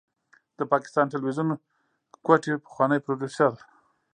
د پاکستان تلويزيون کوټې پخوانی پروديوسر